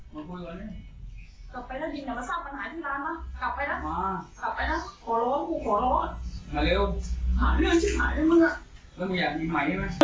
ไม่ก็อยากถึงมากนี้มั้ย